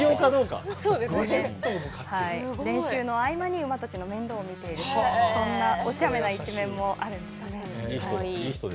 練習の合間に馬たちの面倒を見ているというそんな、お茶目な一面もあると。